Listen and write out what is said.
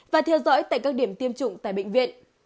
và theo dõi tại các điểm tiêm chủng tại bệnh viện